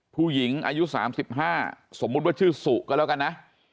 ผู้หญิงอายุ๓๕สมมุติว่าชื่อสุก็แล้วกันนะ